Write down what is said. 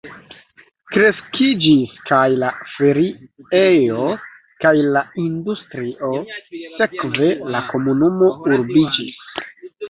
Kreskiĝis kaj la feriejo, kaj la industrio, sekve la komunumo urbiĝis.